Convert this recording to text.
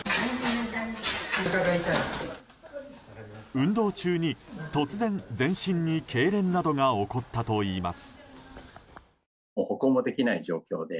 運動中に突然全身に、けいれんなどが起こったといいます。